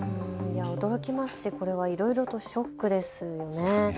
驚きますし、これはいろいろとショックですよね。